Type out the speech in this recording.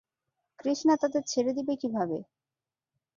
কৃষ্ণা তাদের ছেড়ে দিবে কীভাবে?